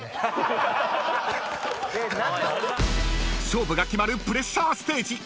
［勝負が決まるプレッシャーステージ］